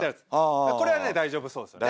これはね大丈夫そうですよね。